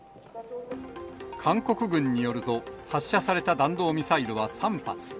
韓国軍によると、発射された弾道ミサイルは３発。